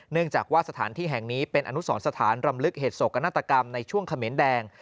เนื่องจากว่าสถานที่แห่งนี้เป็นอนุสรสถานรำลึกเหตุโศกนาฏกรรมในช่วงเขมรแดง